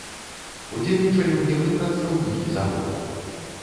Удзельнічалі ў ім і прадстаўнікі завода.